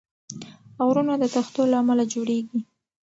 غرونه د تختو له امله جوړېږي.